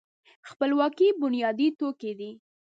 خپلواکي بنیادي توکی دی.